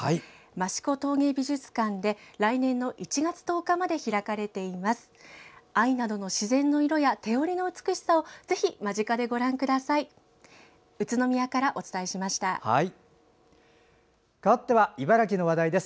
益子陶芸美術館で来年の１月１０日、月曜日まで開かれています。